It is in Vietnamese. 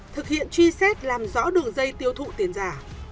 thực hiện truy xét làm rõ đường dây tiêu thụ tiền giả